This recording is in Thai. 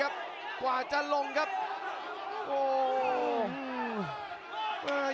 อ้าวเจอสองขวา